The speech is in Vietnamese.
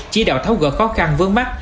chia đạo tháo gỡ khó khăn vớn mắt